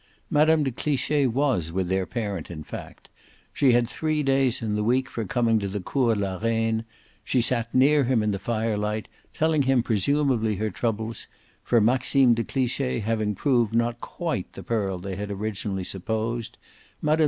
Mme. de Cliche was with their parent in fact she had three days in the week for coming to the Cours la Reine; she sat near him in the firelight, telling him presumably her troubles, for, Maxime de Cliche having proved not quite the pearl they had originally supposed, Mme.